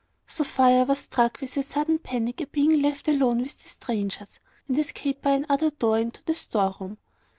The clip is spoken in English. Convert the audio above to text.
Sophia was struck with a sudden panic at being left alone with the strangers, and escaped by another door into the store room.